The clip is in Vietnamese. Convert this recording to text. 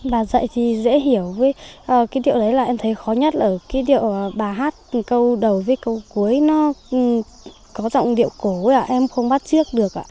và dạy thì dễ hiểu với cái điệu đấy là em thấy khó nhất là cái điệu bà hát câu đầu với câu cuối nó có giọng điệu cổ em không bắt trước được ạ